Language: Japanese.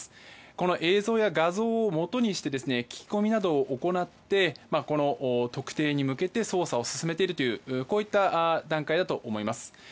この映像や画像をもとにして聞き込みなどを行って特定に向けて捜査を進めているという段階だと思います。